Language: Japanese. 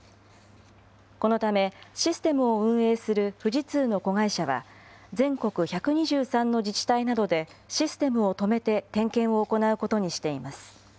このため、システムを運営する富士通の子会社は、全国１２３の自治体などでシステムを止めて点検を行うことにしています。